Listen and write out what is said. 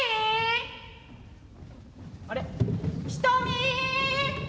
あれ？